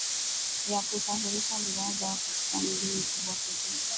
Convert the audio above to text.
ya kusafirisha bidhaa zao katika miji mikubwa pekee